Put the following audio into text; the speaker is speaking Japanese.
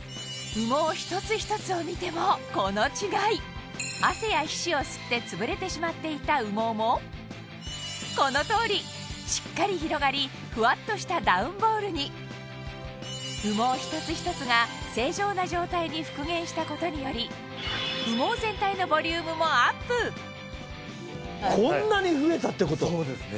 羽毛一つ一つを見てもこの違い汗や皮脂を吸ってつぶれてしまっていた羽毛もこの通りしっかり広がりフワっとしたダウンボールに羽毛一つ一つが正常な状態に復元したことにより羽毛全体のこんなに増えたってこと⁉そうですね。